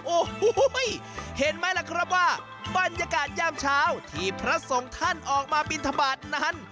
โอ้โหเห็นไหมล่ะครับว่าบรรยากาศย่ามเช้าที่พระสงฆ์ท่านออกมาบินทบาทนั้น